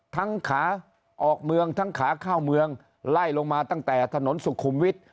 ขาออกเมืองทั้งขาเข้าเมืองไล่ลงมาตั้งแต่ถนนสุขุมวิทย์